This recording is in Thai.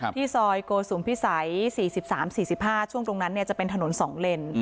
ที่ซอยโกสุมพิสัย๔๓๔๕ช่วงตรงนั้นจะเป็นถนน๒เลน